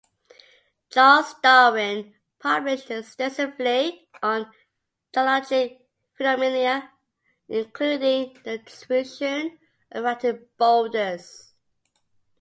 Charles Darwin published extensively on geologic phenomena including the distribution of erratic boulders.